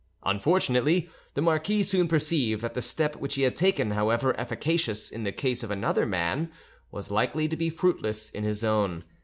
Unfortunately, the marquis soon perceived that the step which he had taken, however efficacious in the case of another man, was likely to be fruitless in his own.